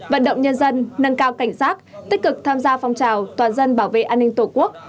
vận động nhân dân nâng cao cảnh giác tích cực tham gia phong trào toàn dân bảo vệ an ninh tổ quốc